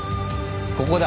ここだ。